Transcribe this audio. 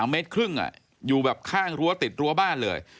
เมตรครึ่งอยู่แบบข้างรั้วติดรั้วบ้านเลย